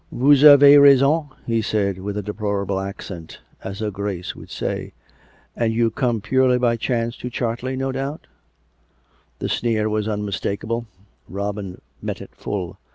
" Vous avez raisong," he said with a deplorable accent. " As her Grace would say. And you come purely by chance to Chartley, no doubt !" The sneer was unmistakable. Robin met it full.